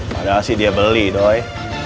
padahal sih dia beli doy